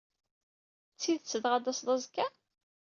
D tidet dɣa, ad d-taseḍ azekka?